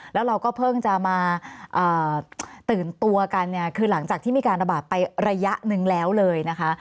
แล้วเราก็เพิ่งจะมาตื่นตัวกันเนี่ยคือหลังจากที่มีการระบาดไประยะหนึ่งแล้วเลยนะคะ